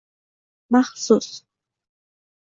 Maxsus